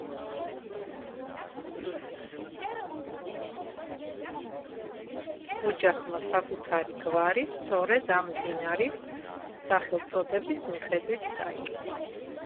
ოჯახმა საკუთარი გვარი სწორედ ამ მდინარის სახელწოდების მიხედვით დაირქვა.